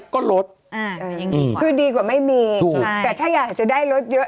คือดีกว่าไม่มีแต่ถ้าอยากจะได้ลดของเยอะ